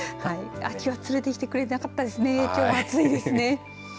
秋を連れてきてくれなかったからきょうも暑いですね。